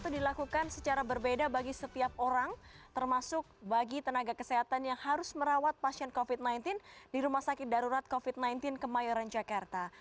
dilakukan secara berbeda bagi setiap orang termasuk bagi tenaga kesehatan yang harus merawat pasien covid sembilan belas di rumah sakit darurat covid sembilan belas kemayoran jakarta